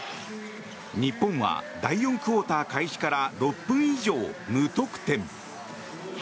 日本は第４クオーター開始から６分以上、無得点。